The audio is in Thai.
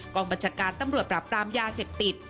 กองบรรยากาศการตำรวจปราบปลามยาเสต็ปติด